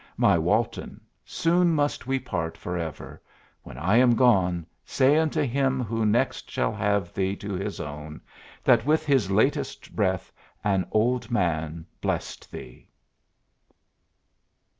My Walton, soon must we part forever; when I am gone say unto him who next shall have thee to his own that with his latest breath an old man blessed thee!